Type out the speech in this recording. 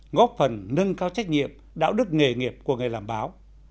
góp phần nâng cao trách nhiệm đạo đức nghề nghiệp của người làm báo